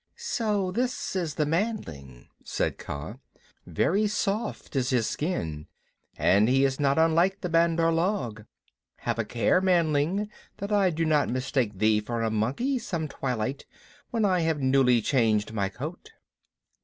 "So this is the manling," said Kaa. "Very soft is his skin, and he is not unlike the Bandar log. Have a care, manling, that I do not mistake thee for a monkey some twilight when I have newly changed my coat."